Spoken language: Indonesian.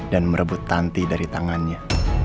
dan merebut tanti dari tangannya